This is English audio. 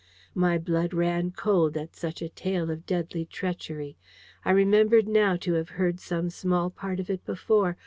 My blood ran cold at such a tale of deadly treachery. I remembered now to have heard some small part of it before.